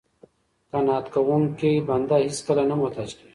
قناعت کوونکی بنده هېڅکله نه محتاج کیږي.